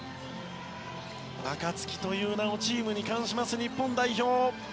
アカツキという名をチームに冠します、日本代表。